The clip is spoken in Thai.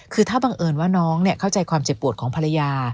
คือถ้าบังเอิญว่าน้องเข้าใจความเจ็บปวดของภรรยา